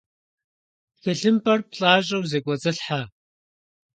ТхылъымпӀэр плӀащӀэу зэкӀуэцӀылъхьэ.